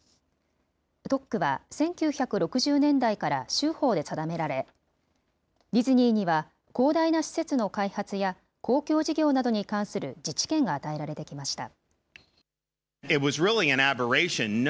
特区は１９６０年代から州法で定められ、ディズニーには広大な施設の開発や公共事業などに関する自治権が与えられてきました。